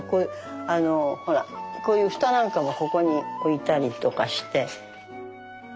あのほらこういう蓋なんかもここに置いたりとかして。